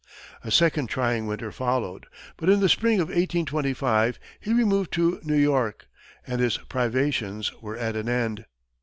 A second trying winter followed, but in the spring of 1825 he removed to New York, and his privations were at an end.